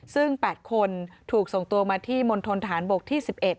ซึ่ง๘คนถูกส่งตัวมาที่มณฑนฐานบกที่๑๑